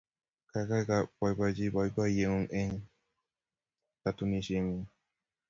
Gaigai boiboichi boiboiyet ni eng katunishiengung